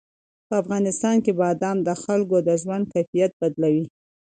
په افغانستان کې بادام د خلکو د ژوند کیفیت بدلوي.